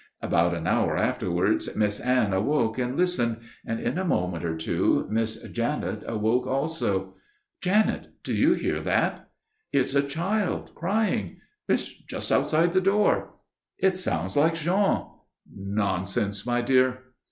About an hour afterwards Miss Anne awoke and listened, and in a moment or two Miss Janet awoke also. "Janet, do you hear that?" "It's a child crying. It's just outside the door." "It sounds like Jean." "Nonsense, my dear!"